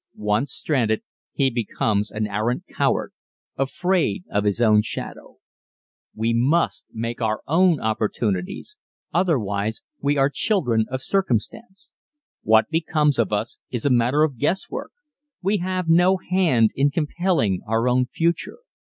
Once stranded he becomes an arrant coward afraid of his own shadow. [Illustration: A Scene from "In Again Out Again"] We must make our own opportunities otherwise we are children of circumstance. What becomes of us is a matter of guesswork. We have no hand in compelling our own future.